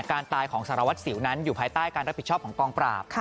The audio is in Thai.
การตายของสารวัตรสิวนั้นอยู่ภายใต้การรับผิดชอบของกองปราบ